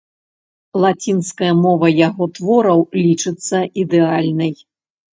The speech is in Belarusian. Лацінская мова яго твораў лічыцца ідэальнай.